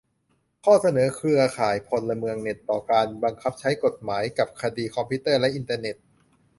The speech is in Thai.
ข้อเสนอเครือข่ายพลเมืองเน็ต ต่อการบังคับใช้กฎหมายกับคดีคอมพิวเตอร์และอินเทอร์เน็ต